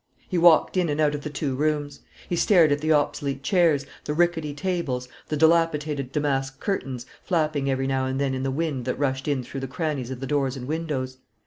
He walked in and out of the two rooms. He stared at the obsolete chairs, the rickety tables, the dilapidated damask curtains, flapping every now and then in the wind that rushed in through the crannies of the doors and windows.